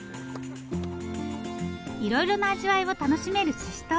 いろいろな味わいを楽しめるししとう。